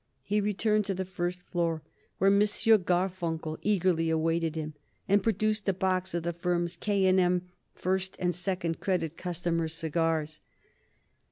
He returned to the first floor, where M. Garfunkel eagerly awaited him, and produced a box of the firm's K. to M. first and second credit customers' cigars.